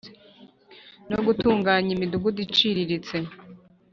no gutunganya imidugudu iciriritse;